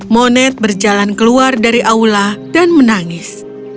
moned berjalan keluar dari aula dan menangis